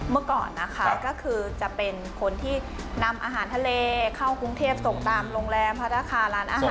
เมื่อก่อนนะคะก็คือจะเป็นคนที่นำอาหารทะเลเข้ากรุงเทพส่งตามโรงแรมพัฒนาคาร้านอาหาร